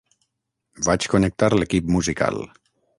Vaig connectar l'equip musical.